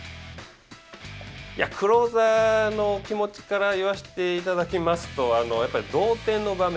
クローザーの気持ちから言わせていただきますとやっぱり同点の場面